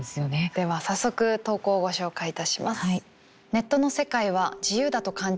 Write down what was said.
では早速投稿をご紹介いたします。